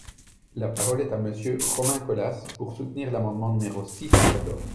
La parole est à Monsieur Romain Colas, pour soutenir l’amendement numéro six cent quatorze.